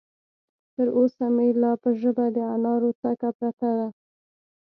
تر اوسه مې لا په ژبه د انارو څکه پرته ده.